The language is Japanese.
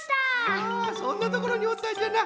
あそんなところにおったんじゃな。